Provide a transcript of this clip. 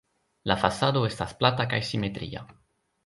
La fasado estas plata kaj simetria.